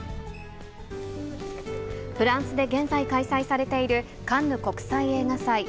フランスで現在開催されている、カンヌ国際映画祭。